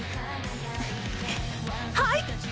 はい！